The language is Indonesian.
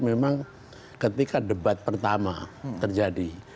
memang ketika debat pertama terjadi